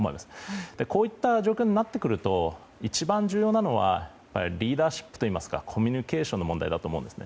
こういった状況になってくると一番重要なのはリーダーシップといいますかコミュニケーションの問題だと思うんですね。